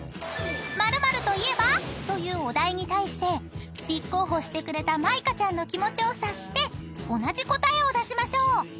［○○といえば？というお題に対して立候補してくれた舞香ちゃんの気持ちを察して同じ答えを出しましょう］